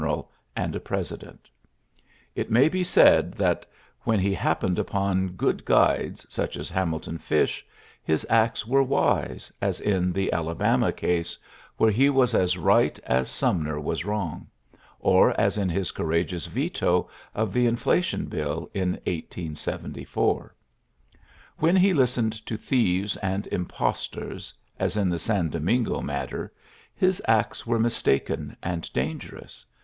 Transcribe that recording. al and a president. It may be said when he happened upon good iiorary coire^^^ ^^^^ 136 ULYSSES S. GRAIiJ^T guides, snch bs Hamilton Fish, his acts were wise, as in the Alabama case, where he wa^ as right as Sumner was wrong, or as in his courageous veto of the infla tion bill in 1874. When he listened to thieves and impostors, as in the San Domingo matter, his acts were mistaiken and dangerous.